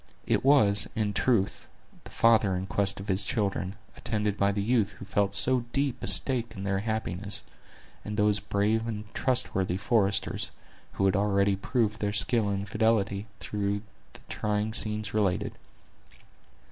It was, in truth, the father in quest of his children, attended by the youth who felt so deep a stake in their happiness, and those brave and trusty foresters, who had already proved their skill and fidelity through the trying scenes related.